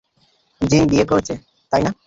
Gym বিয়ে করছে, তাই না?